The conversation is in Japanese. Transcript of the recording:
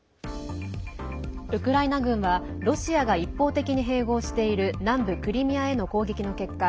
ウクライナ軍はロシアが一方的に併合している南部クリミアへの攻撃の結果